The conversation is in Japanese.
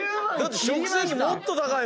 「食洗機もっと高いもん」